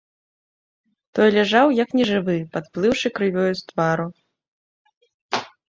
Той ляжаў, як нежывы, падплыўшы крывёю з твару.